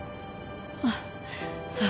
あっそう。